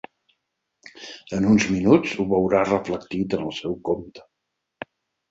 En uns minuts ho veurà reflectit en el seu compte.